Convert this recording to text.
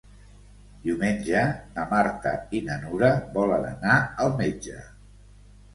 Diumenge na Marta i na Nura volen anar al metge.